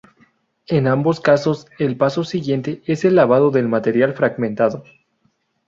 En ambos casos, el paso siguiente es el lavado del material fragmentado.